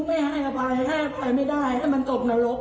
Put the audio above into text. ไม่ให้อภัยให้อภัยไม่ได้ให้มันตกนรก